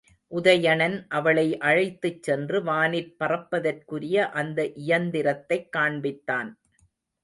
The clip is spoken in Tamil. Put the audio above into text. உதயணன் அவளை அழைத்துச் சென்று வானிற் பறப்பதற்குரிய அந்த இயந்திரத்தைக் காண்பித்தான்.